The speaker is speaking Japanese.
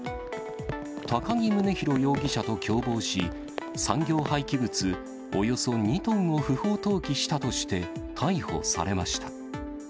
高木宗博容疑者と共謀し、産業廃棄物およそ２トンを不法投棄したとして、逮捕されました。